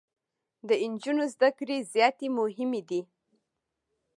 د انجونو زده کړي زياتي مهمي دي.